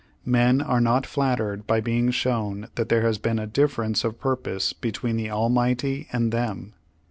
Men are not flattered by being shov/n that there has been a difference of purpose between the Almighty and them.